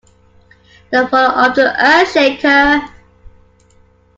The follow-up to Earthshaker!